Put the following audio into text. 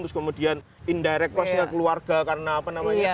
terus kemudian indirect costnya keluarga karena apa namanya